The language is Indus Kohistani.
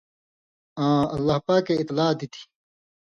آں اللہ پاکے اطلاع دِتیۡ۔